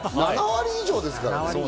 ７割以上ですからね。